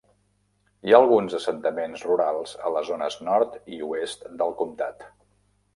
Hi ha alguns assentaments rurals a les zones nord i oest del comtat.